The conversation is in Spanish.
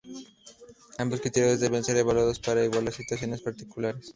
Ambos criterios deben ser evaluados para igualar situaciones particulares.